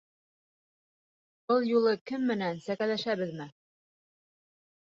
Был юлы кем менән сәкәләшәбеҙме?